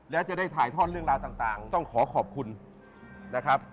และจะได้ถ่ายทอดเรื่องราวต่างต้องขอขอบคุณนะครับ